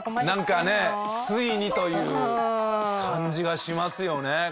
なんかねついにという感じがしますよね